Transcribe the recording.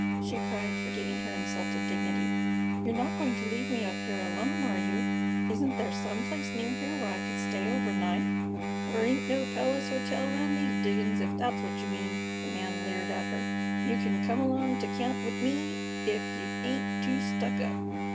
she cried, forgetting her insulted dignity, "you're not going to leave me up here alone, are you? Isn't there some place near here where I could stay overnight?" "Thur ain't no palace hotel round these diggin's, ef that's what you mean," the man leered at her. "You c'n come along t' camp 'ith me ef you ain't too stuck up."